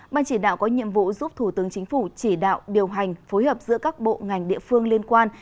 ban chỉ đạo có nhiệm vụ giúp thủ tướng chính phủ chỉ đạo điều hành phối hợp giữa các bộ ngành địa phương liên quan